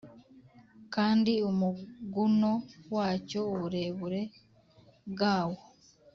Kandi umuguno wacyo uburebure bwawo